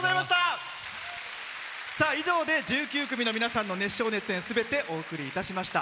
以上で１９組の皆さんの熱唱・熱演、すべてお送りいたしました。